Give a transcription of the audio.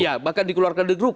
iya bahkan dikeluarkan dari grup